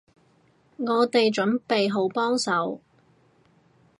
我哋準備好幫手